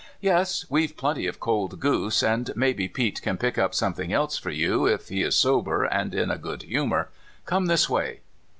" Yes, we've plenty of cold goose, and maybe Pete can pick up something else for you, if he is sober and in a good humor. Come this way."